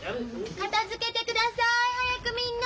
片づけてください早くみんな！